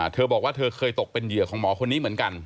เธอบอกว่าเธอเคยตกเป็นเหยื่อของหมอคนนี้เหมือนกัน